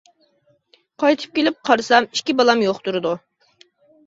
قايتىپ كېلىپ قارىسام ئىككى بالام يوق تۇرىدۇ.